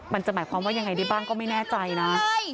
มันจะหมายความว่ายังไงได้บ้างก็ไม่แน่ใจนะ